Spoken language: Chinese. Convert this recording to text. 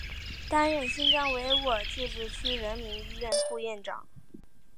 担任新疆维吾尔自治区人民医院副院长。